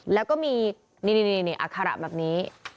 แล้วก็มีนี่อัคระแบบนี้